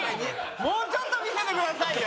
もうちょっと見せてくださいよ。